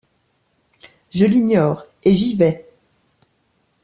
Je l’ignore ; et j’y vais.